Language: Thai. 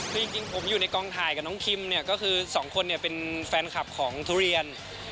คือจริงผมอยู่ในกองถ่ายกับน้องคิมเนี่ยก็คือสองคนเนี่ยเป็นแฟนคลับของทุเรียน